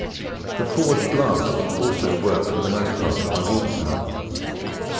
The forge blast was also worked for the most part by water power.